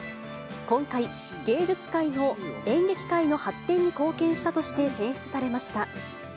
今回、演劇界の発展に貢献したとして、選出されました。